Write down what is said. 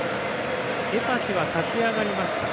エパシ、立ち上がりました。